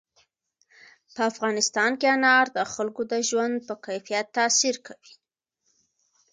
په افغانستان کې انار د خلکو د ژوند په کیفیت تاثیر کوي.